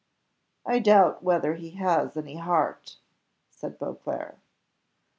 "I doubt whether he has any heart," said Beauclerc.